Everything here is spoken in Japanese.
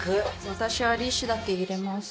私は利子だけ入れます。